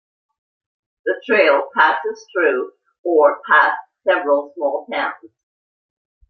The trail passes through or past several small towns.